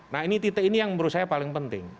nah ini titik ini yang menurut saya paling penting